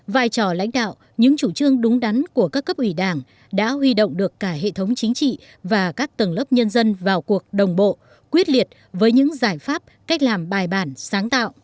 vai trò lãnh đạo những chủ trương đúng đắn của các cấp ủy đảng đã huy động được cả hệ thống chính trị và các tầng lớp nhân dân vào cuộc đồng bộ quyết liệt với những giải pháp cách làm bài bản sáng tạo